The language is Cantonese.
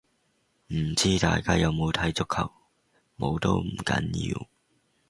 唔知大家有冇睇足球，冇都唔緊要